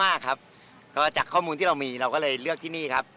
มากครับก็จากข้อมูลที่เรามีเราก็เลยเลือกที่นี่ครับ